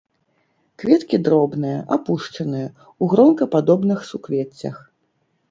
Кветкі дробныя, апушаныя, у гронкападобных суквеццях.